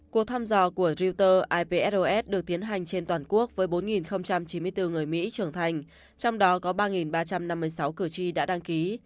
cuộc thăm dò của reuter ipsos được tiến hành trên toàn quốc với bốn chín mươi bốn người mỹ trưởng thành trong đó có ba ba trăm năm mươi sáu cử tri đã đăng ký